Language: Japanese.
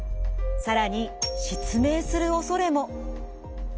更に失明するおそれも。